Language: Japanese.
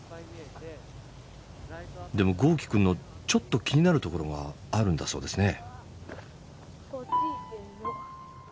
でも豪輝くんのちょっと気になるところがあるんだそうですね。